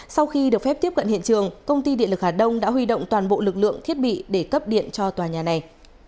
sau khi được phép tiếp cận hiện trường công ty điện lực hà đông đã huy động toàn bộ lực lượng thiết bị để cấp điện cho tòa nhà này